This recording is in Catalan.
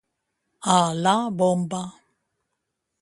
A la bomba.